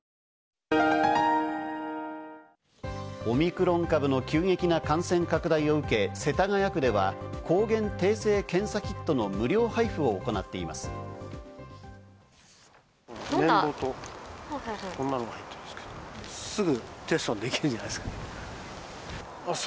オミクロン株の急激な感染拡大を受け世田谷区では、抗原定性検査キットの無料配布を行っています。